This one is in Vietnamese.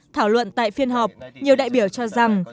thảo luận tại phiên họp nhiều đại biểu cho rằng